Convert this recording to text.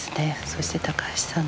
そして高橋さん